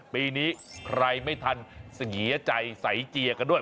ปีนี้ใครไม่ทันเสียใจใสเจียกันด้วย